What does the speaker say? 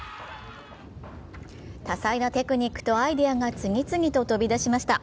多彩なテクニックとアイデアが次々と飛び出しました。